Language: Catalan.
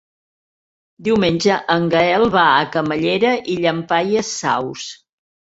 Diumenge en Gaël va a Camallera i Llampaies Saus.